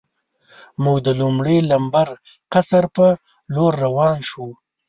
موږ د لومړي لمبر قصر په لور روان شو.